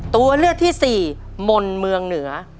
ตัวเลือกที่สี่มนต์เมืองเหนือ